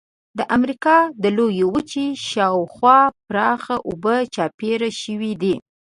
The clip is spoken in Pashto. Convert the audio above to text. د امریکا د لویې وچې شاو خوا پراخه اوبه چاپېره شوې دي.